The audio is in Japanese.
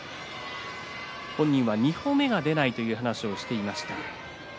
本人は２歩目が出ないという話をしていました。